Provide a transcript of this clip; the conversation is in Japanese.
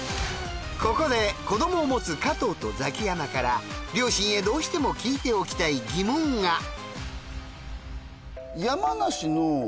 ここで子どもを持つ加藤とザキヤマから両親へどうしても聞いておきたい疑問が。